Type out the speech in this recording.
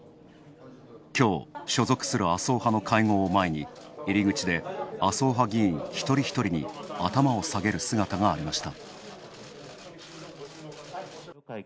きょう、所属する麻生派の会合を前に入り口で麻生派議員一人一人に頭を下げる姿がありました。